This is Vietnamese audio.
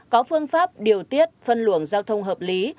có phương pháp điều tiết phân luồng giao thông hợp lý